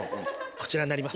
こちらになります。